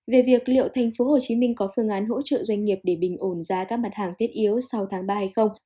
về việc liệu tp hcm có phương án hỗ trợ doanh nghiệp để bình ổn giá các mặt hàng thiết yếu sau tháng ba hay không